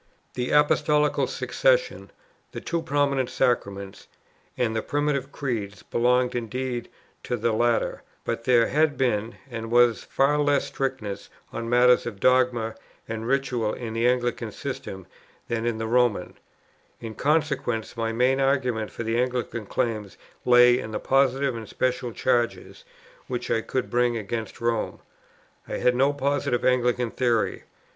The Apostolical Succession, the two prominent sacraments, and the primitive Creeds, belonged, indeed, to the latter; but there had been and was far less strictness on matters of dogma and ritual in the Anglican system than in the Roman: in consequence, my main argument for the Anglican claims lay in the positive and special charges, which I could bring against Rome. I had no positive Anglican theory.